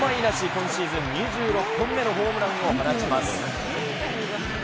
今シーズン２６本目のホームランを放ちます。